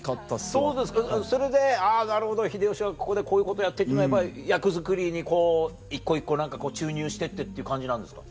そうですかそれでなるほど秀吉はここでこういうことやってっていうのやっぱり役作りに一個一個注入してって感じなんですか？